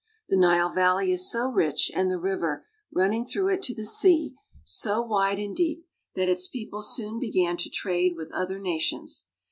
The Nile valley is so rich and the river, running through it to the sea, so wide and deep that its people soon began to trade with other nations.